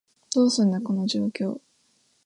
どうすんだ、この状況？